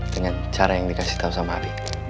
dengan cara yang dikasih tau sama abi